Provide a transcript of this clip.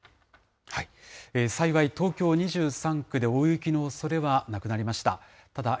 幸い、東京２３区で大雪のおそれはなくなりました。